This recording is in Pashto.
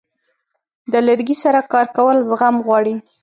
د لرګي سره کار کول زغم غواړي.